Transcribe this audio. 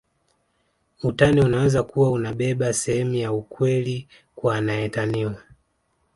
Utani unaweza kuwa unabeba sehemu ya ukweli kwa anaetaniwa